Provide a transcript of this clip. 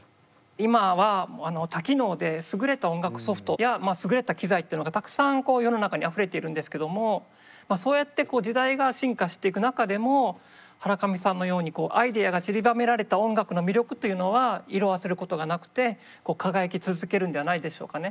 今は多機能で優れた音楽ソフトや優れた機材っていうのがたくさん世の中にあふれているんですけどもまあそうやってこう時代が進化していく中でもハラカミさんのようにアイデアがちりばめられた音楽の魅力というのは色あせることがなくて輝き続けるんじゃないでしょうかね。